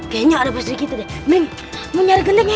kayaknya ada posisi gitu deh mengincar gentengnya